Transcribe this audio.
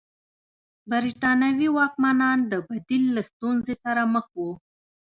برېټانوي واکمنان د بدیل له ستونزې سره مخ وو.